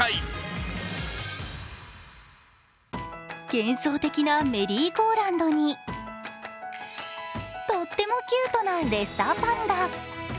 幻想的なメリーゴーランドにとってもキュートなレッサーパンダ。